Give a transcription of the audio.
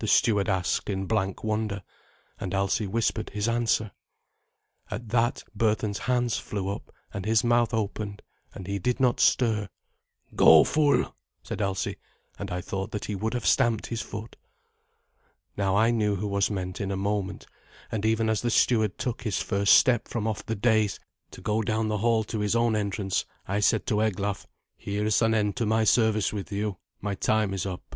the steward asked in blank wonder, and Alsi whispered his answer. At that Berthun's hands flew up, and his mouth opened, and he did not stir. "Go, fool," said Alsi, and I thought that he would have stamped his foot. Now I knew who was meant in a moment, and even as the steward took his first step from off the dais to go down the hail to his own entrance, I said to Eglaf, "Here is an end to my service with you. My time is up."